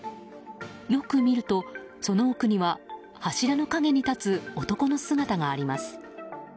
よく見ると、その奥には柱の陰に立つ男の姿があります。